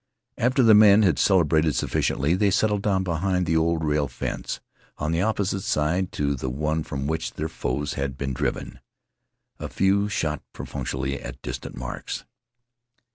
After the men had celebrated sufficiently they settled down behind the old rail fence, on the opposite side to the one from which their foes had been driven. A few shot perfunctorily at distant marks.